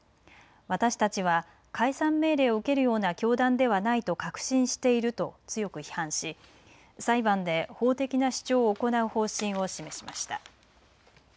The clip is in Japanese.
私たちは解散命令を受けるような教団ではないと確信していると強く批判し裁判で法的な主張を行う方針を示しました。